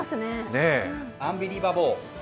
アンビリーバボー。